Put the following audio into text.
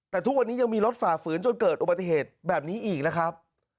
แต่ทุกวันนี้ยังมีรถฝ่าฝืนจนเกิดอุบัติเหตุแบบนี้อีกนะครับ